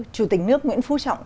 chủ tịch nước nguyễn phú trọng